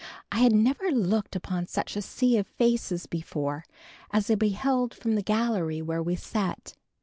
I had never looked upon such a sea of faces before, as I beheld from the gallery where we sat.